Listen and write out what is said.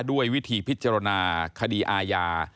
ด้วยวิธีพิจารณาคดีอาญา